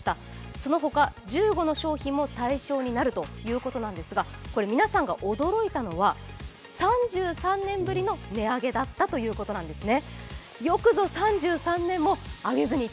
そのほか、１５の商品も対象になるということなんですが、皆さんが驚いたのは３３年ぶりの値上げだったということなんですね。